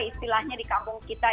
istilahnya di kampung kita